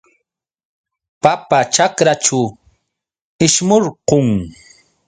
Papa ćhakraćhu ishmurqun.